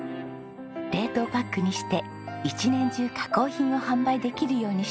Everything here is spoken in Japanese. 冷凍パックにして一年中加工品を販売できるようにしているんです。